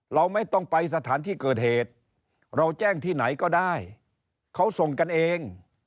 เราไม่ต้องไปสถานที่เกิดเหตุเราแจ้งที่ไหนก็ได้เขาส่งกันเอง